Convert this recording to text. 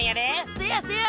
せやせや。